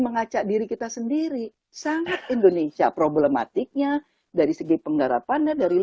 mengacak diri kita sendiri